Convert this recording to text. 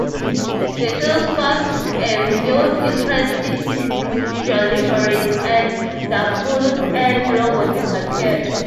The sales spawned a renewed interest in individual liveries, and the "double-N" logo disappeared.